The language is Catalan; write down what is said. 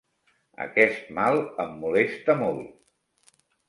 Aquest mal em molesta molt.